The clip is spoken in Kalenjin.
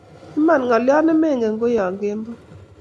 Iman, ngolyo nemengen ko yoo kemboi